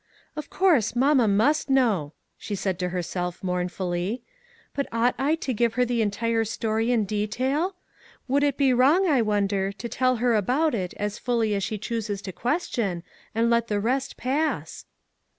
"Of course, mamma must know," she said to herself, mournfully, "but ought I SHADOWED LIVES. 375 to give her the entire story in detail? Would it be wrong, I wonder, to tell her about it, as fully as she chooses to • ques tion, and let the rest pass?"